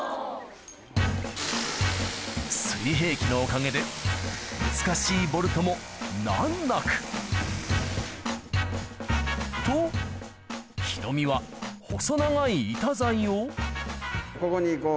水平器のおかげで難しいボルトも難なくとヒロミは細長い板材をここにこう。